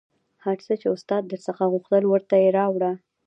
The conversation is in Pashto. هر څه چې استاد در څخه غوښتل ورته یې راوړه